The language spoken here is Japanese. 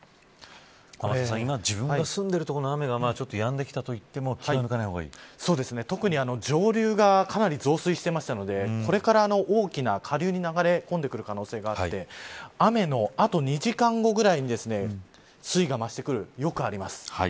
今自分が住んでいる所の雨がやんできたといっても特に上流がかなり増水していたのでこれから大きな下流に流れ込んでくる可能性があって雨の後、２時間後くらいに水位が増してくるよくあります。